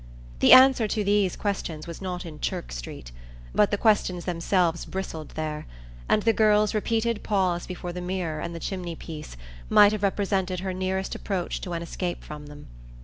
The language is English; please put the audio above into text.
The answer to these questions was not in Chirk Street, but the questions themselves bristled there, and the girl's repeated pause before the mirror and the chimney place might have represented her nearest approach to an escape from them.